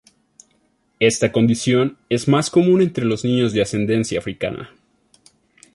Esta condición es más común entre los niños de ascendencia africana.